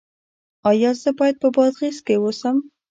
ایا زه باید په بادغیس کې اوسم؟